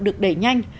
được đẩy nhanh